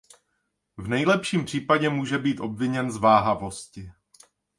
V nejlepším případě může být obviněn z váhavosti.